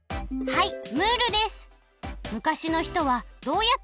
はいムールです。